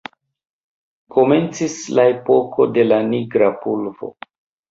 Komencis la epoko de la nigra pulvo.